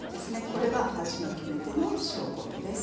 これが味の決め手の塩昆布です。